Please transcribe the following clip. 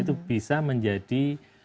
itu bisa menjadi